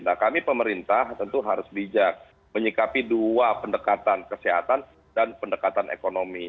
nah kami pemerintah tentu harus bijak menyikapi dua pendekatan kesehatan dan pendekatan ekonomi